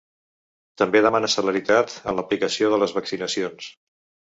També demana celeritat en l’aplicació de les vaccinacions.